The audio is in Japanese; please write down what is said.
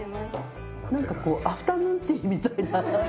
なんかこうアフタヌーンティーみたいな。